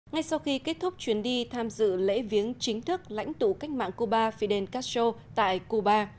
ngay sau khi kết thúc chuyến đi tham dự lễ viếng chính thức lãnh tụ cách mạng cuba fidel castro tại cuba